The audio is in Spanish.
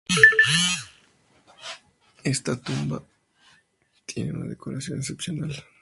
Esta tumba tiene una decoración excepcional.